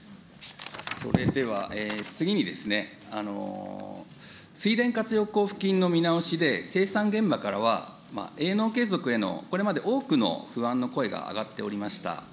それでは次に、水田活用交付金の見直しで、生産現場からは、営農継続への、これまで多くの不安の声が上がっておりました。